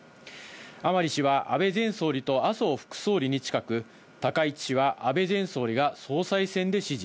甘利氏は、安倍前総理と麻生副総理に近く、高市氏は安倍前総理が総裁選で支持。